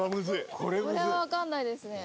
「これはわかんないですね」